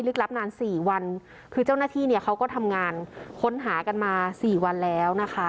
รับนานสี่วันคือเจ้าหน้าที่เนี่ยเขาก็ทำงานค้นหากันมาสี่วันแล้วนะคะ